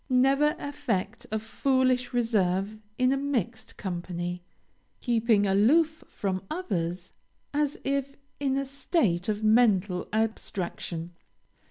Never affect a foolish reserve in a mixed company, keeping aloof from others as if in a state of mental abstraction.